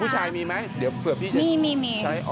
ผู้ชายมีไหมเดี๋ยวเผื่อพี่จะใช้ออกกำลังเลย